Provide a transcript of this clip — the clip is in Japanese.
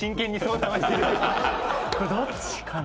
・これどっちかな？